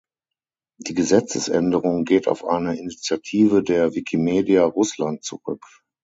Die Gesetzesänderung geht auf eine Initiative der Wikimedia Russland zurück.